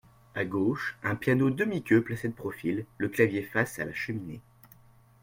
À gauche, un piano demi-queue placé de profil, le clavier face à la cheminée.